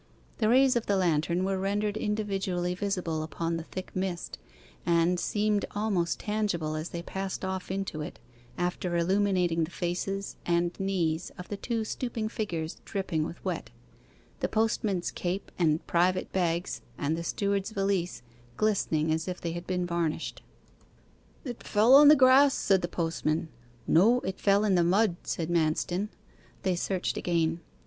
The rays of the lantern were rendered individually visible upon the thick mist, and seemed almost tangible as they passed off into it, after illuminating the faces and knees of the two stooping figures dripping with wet; the postman's cape and private bags, and the steward's valise, glistening as if they had been varnished. 'It fell on the grass,' said the postman. 'No; it fell in the mud,' said Manston. They searched again.